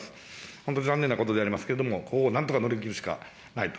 本当、残念なことでありますけれども、ここをなんとか乗り切るしかないと。